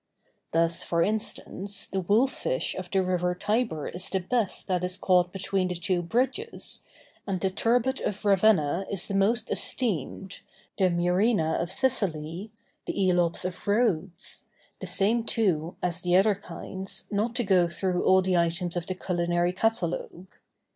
Thus, for instance, the wolf fish of the river Tiber is the best that is caught between the two bridges, and the turbot of Ravenna is the most esteemed, the murena of Sicily, the elops of Rhodes; the same, too, as to the other kinds, not to go through all the items of the culinary catalogue.